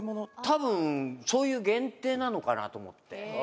「多分そういう限定なのかなと思って」